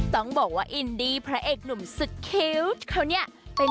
ต้องบอกว่าอินดี้พระเอกหนุ่มสุดคิ้วเขาเนี่ย